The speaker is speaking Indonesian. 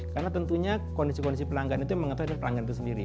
karena tentunya kondisi kondisi pelanggan itu mengetahui dengan pelanggan itu sendiri